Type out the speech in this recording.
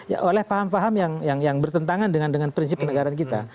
ya oleh paham paham yang bertentangan dengan prinsip kenegaraan kita